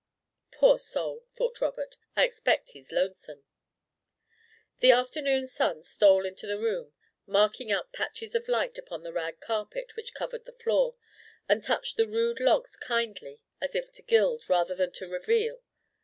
"Poor soul," thought Robert, "I expect he's lonesome." The afternoon sun stole into the room, marking out patches of light upon the rag carpet which covered the floor, and touched the rude logs kindly as if to gild, rather than to reveal.